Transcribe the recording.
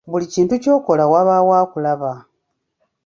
Buli kintu ky’okola wabaawo akulaba.